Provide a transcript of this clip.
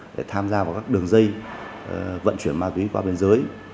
để tham gia vào các đường dây vận chuyển ma túy qua biên giới